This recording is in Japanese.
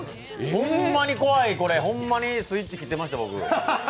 ホンマに怖い、ホンマにスイッチ切ってました。